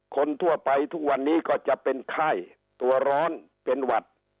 คนทั่วไปทุกวันนี้ก็จะเป็นไข้ตัวร้อนเป็นหวัด